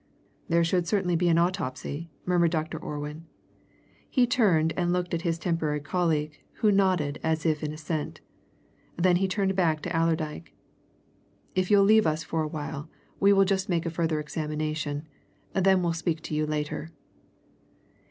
"There should certainly be an autopsy," murmured Dr. Orwin. He turned and looked at his temporary colleague, who nodded as if in assent. Then he turned back to Allerdyke. "If you'll leave us for a while, we will just make a further examination then we'll speak to you later."